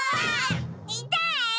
いたい！